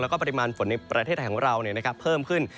แล้วก็ปริมาณฝนในประเทศของเราเนี่ยนะครับเพิ่มขึ้น